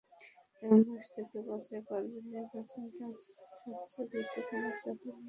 আগামী মাস থেকে বাছাই পর্বের নির্বাচন তাঁর সবচেয়ে গুরুত্বপূর্ণ চক্রে প্রবেশ করবে।